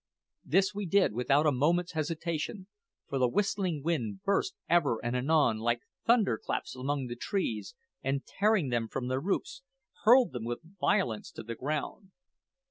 This we did without a moment's hesitation, for the whistling wind burst, ever and anon, like thunderclaps among the trees, and tearing them from their roots, hurled them with violence to the ground.